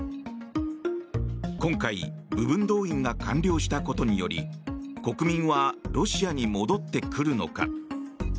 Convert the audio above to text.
今回、部分動員が完了したことにより国民はロシアに戻ってくるのか。